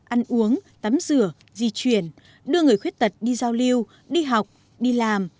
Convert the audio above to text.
ăn uống tắm rửa di chuyển đưa người khuyết tật đi giao lưu đi học đi làm